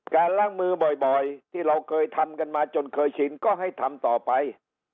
การล้างมือบ่อยที่เราเคยทำกันมาจนเคยชินก็ให้ทำต่อไป